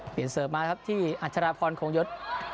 เปลี่ยนเสิร์ฟมาครับที่อัชราพรโคงยศ